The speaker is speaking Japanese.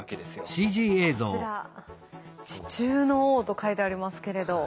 こちら「地中の王」と書いてありますけれど。